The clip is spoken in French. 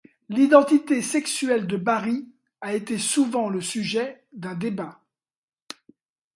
L'identité sexuelle de Barry a été souvent le sujet d'un débat.